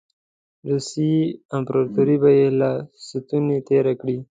روسیې امپراطوري به یې له ستوني تېره کړي.